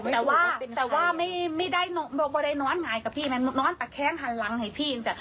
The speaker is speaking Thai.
แต่ว่าไม่ได้นอนแหน่งกับพี่นอนผ่านให้พี่